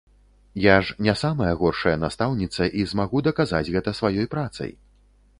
Я ж не самая горшая настаўніца і змагу даказаць гэта сваёй працай.